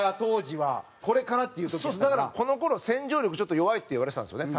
だからこの頃洗浄力ちょっと弱いっていわれてたんですよね